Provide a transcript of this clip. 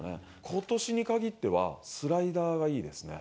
ことしにかぎっては、スライダーがいいですね。